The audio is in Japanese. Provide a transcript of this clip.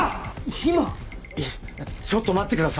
今⁉ちょっと待ってください。